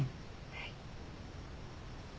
はい。